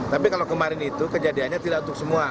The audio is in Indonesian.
tapi kalau kemarin itu kejadiannya tidak untuk semua